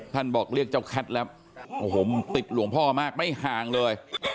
บอกเรียกเจ้าแคทแล้วโอ้โหติดหลวงพ่อมากไม่ห่างเลย